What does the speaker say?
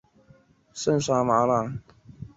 比绍夫斯韦尔达是德国萨克森州的一个市镇。